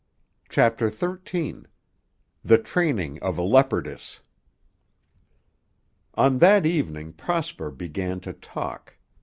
CHAPTER XIII THE TRAINING OF A LEOPARDESS On that evening Prosper began to talk.